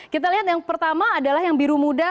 kita lihat yang pertama adalah yang biru muda